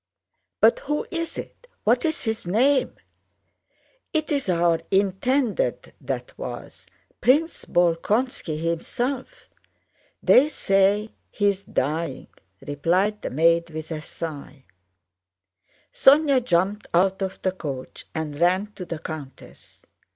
"But who is it? What's his name?" "It's our intended that was—Prince Bolkónski himself! They say he is dying," replied the maid with a sigh. Sónya jumped out of the coach and ran to the countess.